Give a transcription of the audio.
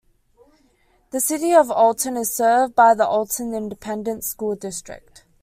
The City of Olton is served by the Olton Independent School District.